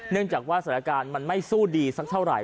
จากว่าสถานการณ์มันไม่สู้ดีสักเท่าไหร